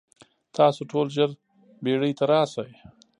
تاسو ټول ژر بیړۍ ته راشئ.